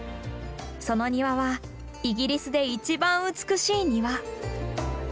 その庭はイギリスで一番美しい庭。